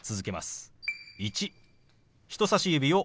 「１」。